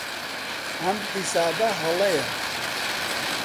ئەم حیسابە هەڵەیە.